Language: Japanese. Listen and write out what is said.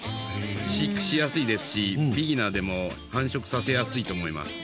飼育しやすいですしビギナーでも繁殖させやすいと思います。